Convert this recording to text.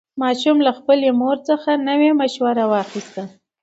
ماشوم له خپلې مور څخه نوې مشوره واخیسته